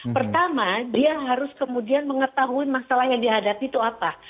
pertama dia harus kemudian mengetahui masalah yang dihadapi itu apa